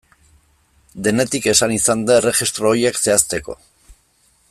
Denetik esan izan da erregistro horiek zehazteko.